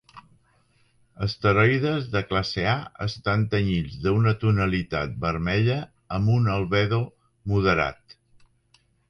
Asteroides de classe A estan tenyits d'una tonalitat vermella amb un albedo moderat.